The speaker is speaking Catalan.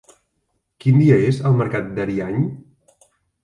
Quin dia és el mercat d'Ariany?